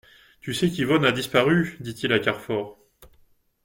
Tu sais qu'Yvonne a disparu ? dit-il à Carfor.